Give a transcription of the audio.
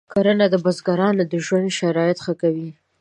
کرنه د بزګرانو د ژوند شرایط ښه کوي.